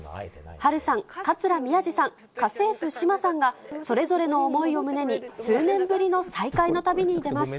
波瑠さん、桂宮治さん、家政婦、志麻さんがそれぞれの思いを胸に、数年ぶりの再会の旅に出ます。